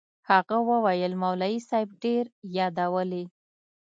هغه وويل مولوي صاحب ډېر يادولې.